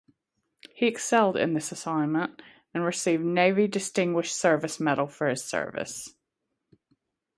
He excelled in this assignment and received Navy Distinguished Service Medal for his service.